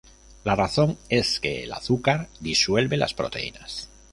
La razón es que el azúcar disuelve las proteínas.